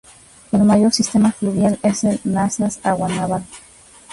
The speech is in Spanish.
El mayor sistema fluvial es el Nazas-Aguanaval.